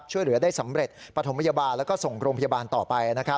ช่วยเหลือได้สำเร็จปฐมพยาบาลแล้วก็ส่งโรงพยาบาลต่อไป